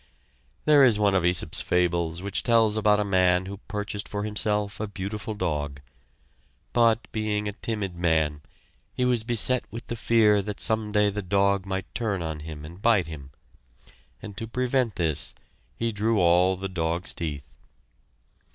There is one of Aesop's fables which tells about a man who purchased for himself a beautiful dog, but being a timid man, he was beset with the fear that some day the dog might turn on him and bite him, and to prevent this, he drew all the dog's teeth.